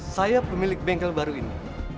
saya pemilik bengkel baru ini